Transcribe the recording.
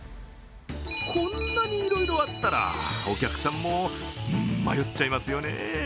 こんなにいろいろあったらお客さんも迷っちゃいますよね。